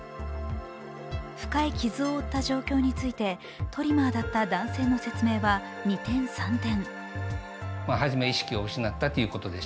深い傷を負った状況について、トリマーだった男性の説明は二転三転。